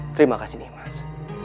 terima kasih nimas